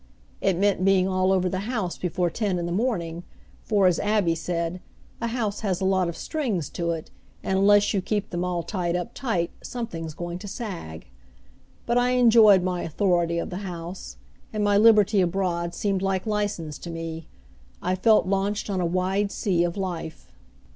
It meant being all over the house before ten in the morning, for, as Abby said, a house has a lot of strings to it, and unless you keep them all tied up tight something's going to sag. But I enjoyed my authority of the house, and my liberty abroad seemed like license to me. I felt launched on a wide sea of life.